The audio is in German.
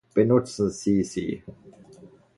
Benutzen Sie sie!